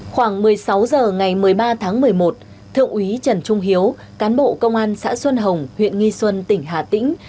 khoảng một mươi sáu h ngày một mươi ba tháng một mươi một thượng úy trần trung hiếu cán bộ công an xã xuân hồng huyện nghi xuân tỉnh hà tĩnh